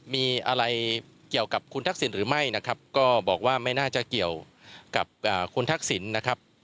มีอะไรเกี่ยวกับคุณทักษิณหรือไม่นะครับก็บอกว่าไม่น่าจะเกี่ยวกับคุณทักษิณนะครับ